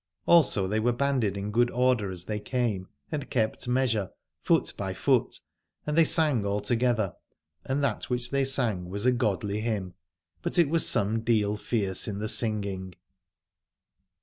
Also they were banded in good order as they came, and kept measure, foot K 145 Aladore by foot, and they sang all together : and that which they sang was a godly hymn, but it was some deal fierce in the singing.